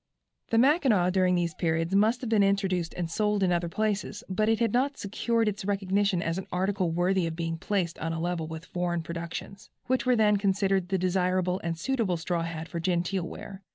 The Mackinaw during these periods must have been introduced and sold in other places, but it had not secured its recognition as an article worthy of being placed on a level with foreign productions, which were then considered the desirable and suitable straw hat for genteel wear.